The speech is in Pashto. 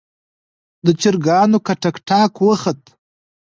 د چرګانو کټکټاک وخوت.